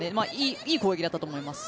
いい攻撃だったと思います。